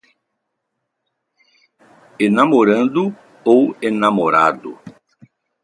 enamorando ou enamorado